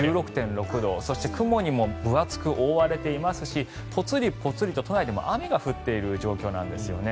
そして雲にも分厚く覆われていますしぽつりぽつりと、都内でも雨が降っている状況なんですね。